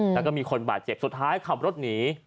แล้วก็มีคนบาดเจ็บสุดท้ายขับรถหนี